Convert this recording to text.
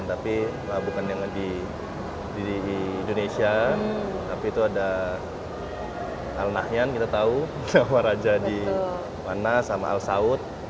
tapi bukan yang di indonesia tapi itu ada al nahyan kita tahu sama raja di mana sama al saud